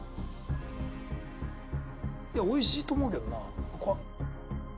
いやおいしいと思うけどな怖っ